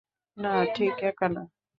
না, ঠিক একা না।